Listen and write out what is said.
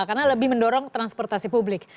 karena lebih mendorong transportasi publik